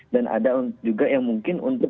ada juga yang mungkin untuk